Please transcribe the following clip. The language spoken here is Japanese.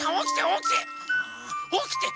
おきて！